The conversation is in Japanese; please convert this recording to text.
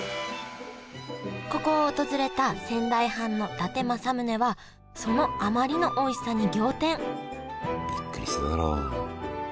ここを訪れた仙台藩の伊達政宗はそのあまりのおいしさに仰天びっくりしただろう。